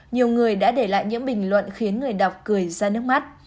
nhiều người đã để lại những bình luận khiến người đọc cười ra nước mắt